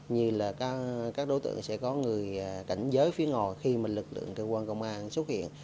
như là các đối tượng sẽ có người cảnh giới phía ngoài khi mà lực lượng cơ quan công an xuất hiện